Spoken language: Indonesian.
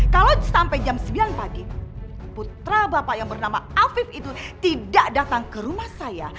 kalau sampai jam sembilan pagi putra bapak yang bernama afif itu tidak datang ke rumah saya